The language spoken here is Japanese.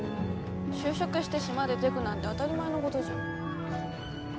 就職して島出でぐなんて当たり前のごどじゃん。